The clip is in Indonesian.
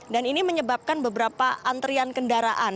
dan ini menyebabkan beberapa antrian kendaraan